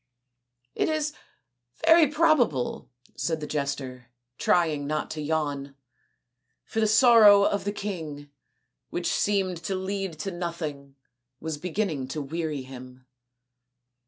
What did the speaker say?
" It is very probable," said the jester, trying not to yawn, for the sorrow of the king, which seemed to lead to nothing, was beginning to weary him.